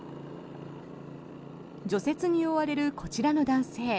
除雪に追われるこちらの男性。